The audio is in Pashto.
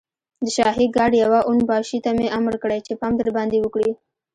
د شاهي ګارډ يوه اون باشي ته مې امر کړی چې پام درباندې وکړي.